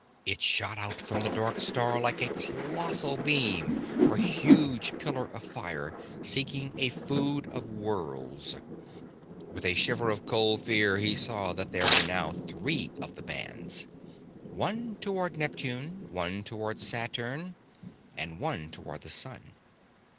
It shot out from the dark star like a colossal beam or huge pillar of fire seeking a food of worlds. With a shiver of cold fear he saw that there were now three of the bands: one toward Neptune, one toward Saturn, and one toward the sun.